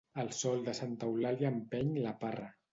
El sol de Santa Eulàlia empeny la parra.